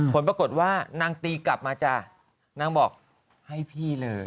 ผลปรากฏว่านางตีกลับมาจ้ะนางบอกให้พี่เลย